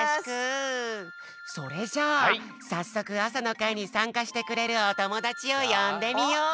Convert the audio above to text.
それじゃあさっそくあさのかいにさんかしてくれるおともだちをよんでみよう！